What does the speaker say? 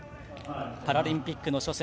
パラリンピックの初戦